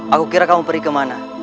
aku kira kamu pergi kemana